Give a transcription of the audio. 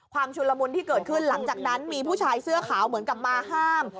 ชุนละมุนที่เกิดขึ้นหลังจากนั้นมีผู้ชายเสื้อขาวเหมือนกับมาห้าม